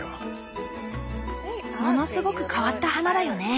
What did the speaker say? ものすごく変わった花だよね。